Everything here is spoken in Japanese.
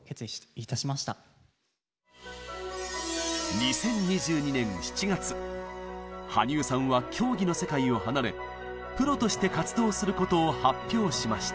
２０２２年７月羽生さんは競技の世界を離れプロとして活動することを発表しました。